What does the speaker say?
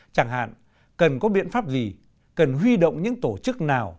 chẳng hạn cần có biện pháp gì cần huy động những tổ chức nào